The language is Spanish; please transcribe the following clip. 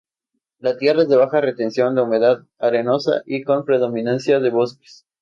La tierra es de baja retención de humedad, arenosa y con predominancia de bosques.